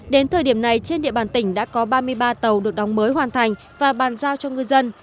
đến thời điểm này trên địa bàn tỉnh đã có ba mươi ba tàu được đóng mới hoàn thành và bàn giao cho ngư dân